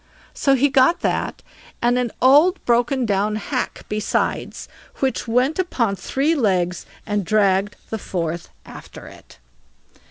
So he got that, and an old broken down hack besides, which went upon three legs and dragged the fourth after it.